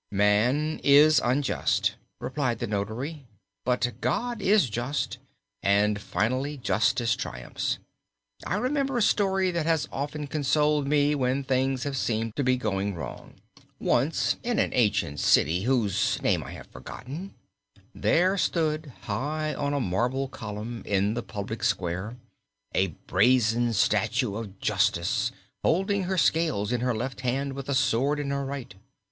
"Man is unjust," replied the notary, "but God is just, and finally justice triumphs. I remember a story that has often consoled me when things have seemed to be going wrong. "Once in an ancient city, whose name I have forgotten, there stood high on a marble column, in the public square, a brazen statue of Justice holding her scales in her left hand and a sword in her right.